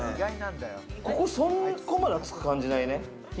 ここ、そこまで暑く感じないね。